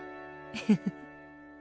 フフフッ。